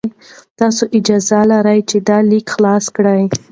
تاسي اجازه لرئ چې دا لینک خلاص کړئ.